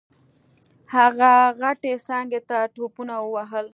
هغه غټې څانګې ته ټوپونه ووهل.